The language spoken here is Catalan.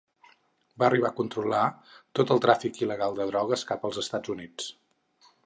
Va arribar a controlar tot el tràfic il·legal de drogues cap als Estats Units.